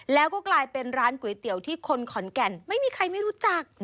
แล้วก็กลายเป็นร้านก๋วยเตี๋ยวที่คนขอนแก่นไม่มีใครไม่รู้จัก